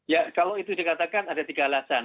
ya kalau itu dikatakan ada tiga alasan